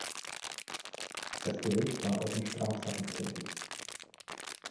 Das Gericht war auch in Strafsachen tätig.